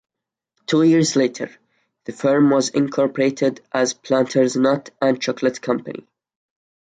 Two years later, the firm was incorporated as Planters Nut and Chocolate Company.